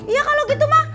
iya kalau gitu mah